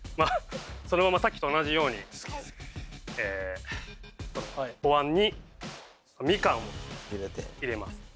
そのままさっきと同じようにこのおわんにみかんを入れます。